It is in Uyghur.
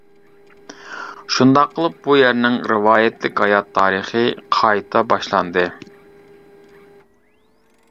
شۇنداق قىلىپ بۇ يەرنىڭ رىۋايەتلىك ھايات تارىخى قايتا باشلاندى.